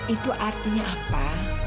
itu artinya apa